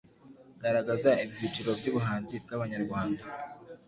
Garagaza ibyiciro by’ubuhanzi bw’Abanyarwanda